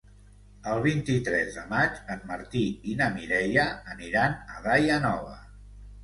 El vint-i-tres de maig en Martí i na Mireia aniran a Daia Nova.